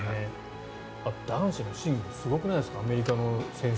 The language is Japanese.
男子のシングルすごくないですかアメリカの選手